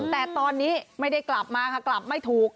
แต่ตอนนี้ไม่ได้กลับมาค่ะกลับไม่ถูก